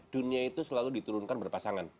dunia itu selalu diturunkan berpasangan